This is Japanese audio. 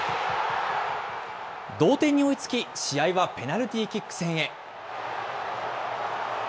同点に追いつき、試合はペナルティーキック戦へ。